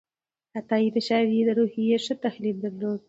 عطایي د شاعرۍ د روحیې ښه تحلیل درلود.